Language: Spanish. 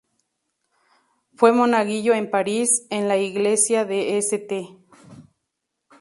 Fue monaguillo en París, en la Iglesia de St.